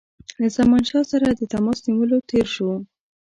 له زمانشاه سره د تماس نیولو تېر شو.